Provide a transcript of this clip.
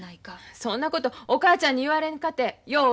そんなことお母ちゃんに言われんかてよう分かってる。